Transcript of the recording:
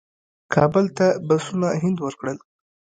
کابل ته بسونه هند ورکړل.